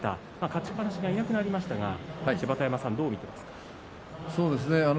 勝ちっぱなしがいなくなりましたがどう見ていますか？